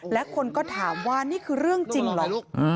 และคนก็ถามว่านี่คือเรื่องจริงเหรอลูก